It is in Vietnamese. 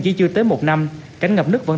chỉ chưa tới một năm cánh ngập nước vẫn